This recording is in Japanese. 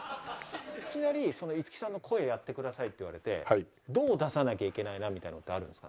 いきなり五木さんの声をやってくださいって言われてどう出さなきゃいけないなみたいなのってあるんですか？